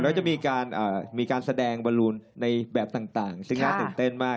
แล้วจะมีการแสดงบอลลูนในแบบต่างซึ่งน่าตื่นเต้นมาก